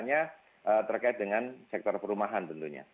dan juga kemudian misalnya terkait dengan sektor perumahan tentunya